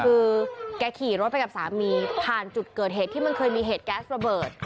คือแกขี่รถไปกับสามีผ่านจุดเกิดเหตุที่มันเคยมีเหตุแก๊สระเบิด